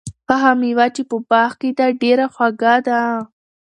هغه مېوه چې په باغ کې ده، ډېره خوږه ده.